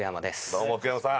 どうも福山さん